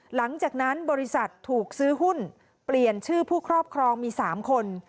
หลังจากนั้นบริษัทถูกซื้อหุ้นเปลี่ยนชื่อผู้ครอบครองมี๓คน